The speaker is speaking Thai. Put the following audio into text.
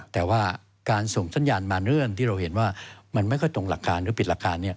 แต่ว่าการส่งสัญญาณมาเรื่องที่เราเห็นว่ามันไม่ค่อยตรงหลักการหรือปิดหลักการ